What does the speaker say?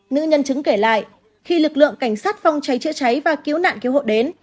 nữ nhân chứng kể lại khi lực lượng cảnh sát phòng cháy chữa cháy và cứu nạn cứu hộ đến